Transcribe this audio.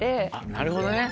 なるほどね。